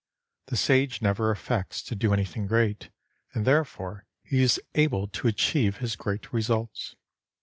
The Sage never affects to do anything great, and therefore he is able to achieve his great results.